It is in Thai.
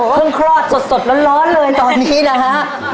เพิ่งครอบสดร้อนเลยตอนนี้นะครับ